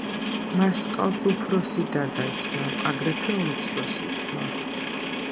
მას ჰყავს უფროსი და და ძმა, აგრეთვე უმცროსი ძმა.